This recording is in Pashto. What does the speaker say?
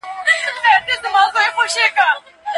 زاني د ټولني پاکوالۍ ته زیان رسوي.